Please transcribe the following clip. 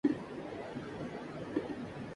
اس کا ہدف صرف اور صرف انڈین یا پاکستانی مسلمان ہیں۔